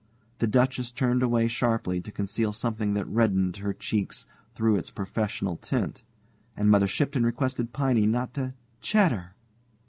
The Duchess turned away sharply to conceal something that reddened her cheeks through its professional tint, and Mother Shipton requested Piney not to "chatter."